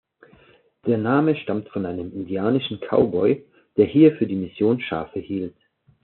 Der Name stammt von einem Indianischen Cowboy, der hier für die Mission Schafe hielt.